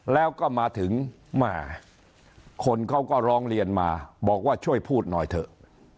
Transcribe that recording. แล้วก็มาถึงแม่คนเขาก็ร้องเรียนมาบอกว่าช่วยพูดหน่อยเถอะ